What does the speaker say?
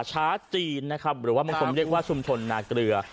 ชาชาจีนนะครับหรือว่ามันคล้มเรียกว่าชุมชนหน้าเกลือ